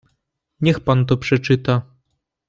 "Niech pan to przeczyta."